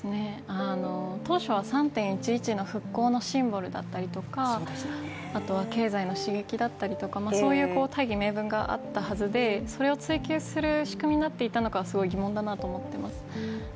当初は３．１１の復興のシンボルだったりとか経済の刺激だったりとかそういう大義名分があったはずで、それを追及する仕組みになっていたのか、すごく疑問だなと思っています。